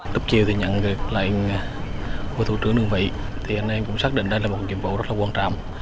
lúc chiều nhận được lệnh của thủ tướng đương vị thì anh em cũng xác định đây là một kiểm vụ rất quan trọng